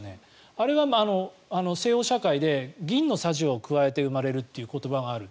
あれは西欧社会で銀のさじをくわえて生まれるという言葉がある。